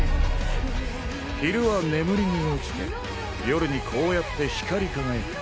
昼は眠りに落ちて夜にこうやって光り輝く。